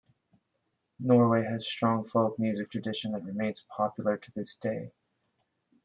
Norway has a strong folk music tradition that remains popular to this day.